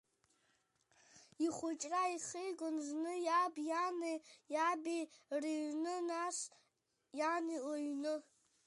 Ихәыҷра ихигон зны иаб иани иаби рыҩны, нас иан лыҩны.